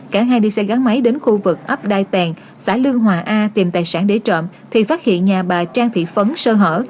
cả hai đi xe gắn máy đến khu vực ấp đai pèng xã lương hòa a tìm tài sản để trộm thì phát hiện nhà bà trang thị phấn sơ hở